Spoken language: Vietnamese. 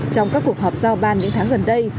trong các cuộc họp giao ban những tháng gần đây